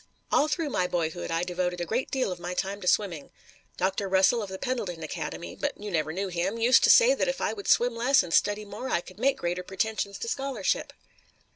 All through my boyhood I devoted a great deal of my time to swimming. Dr. Russell of the Pendleton Academy but you never knew him used to say that if I would swim less and study more I could make greater pretensions to scholarship."